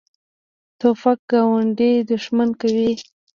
توپک ګاونډي دښمن کوي.